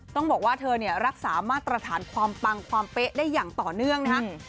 ต้องบอกว่าเธอเนี่ยรักษามาตรฐานความปังความเป๊ะได้อย่างต่อเนื่องนะครับ